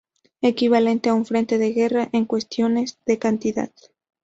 Equivalen a un frente de guerra en cuestiones de cantidad.